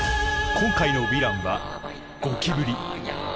今回のヴィランはゴキブリ！